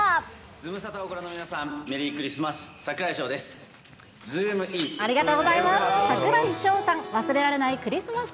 ズムサタをご覧の皆さん、メリークリスマス！